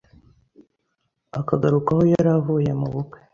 akagaruka aho yari avuye mu bukwe